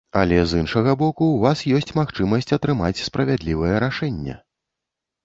Але з іншага боку, у вас ёсць магчымасць атрымаць справядлівае рашэнне.